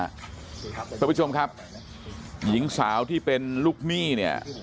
คุณผู้ชมครับหญิงสาวที่เป็นลูกหนี้เนี่ย